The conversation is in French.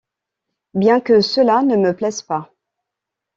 Bien que cela ne me plaise pas.